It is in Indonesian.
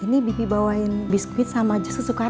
ini bibi bawain biskuit sama aja sesuka